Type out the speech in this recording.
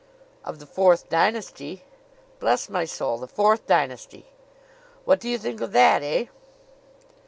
"Of the Fourth Dynasty!" "Bless my soul! The Fourth Dynasty!" "What do you think of that eh?"